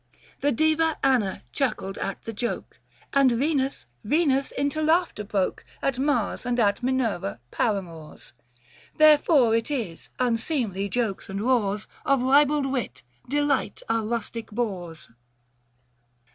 The Diva Anna chuckled at the joke ; And Venus — Venus into laughter broke At Mars and at Minerva paramours ! Therefore it is, unseemly jokes and roars 745 Of ribald wit, delight our rustic boors.